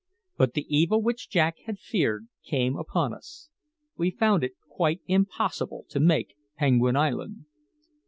But the evil which Jack had feared came upon us. We found it quite impossible to make Penguin Island.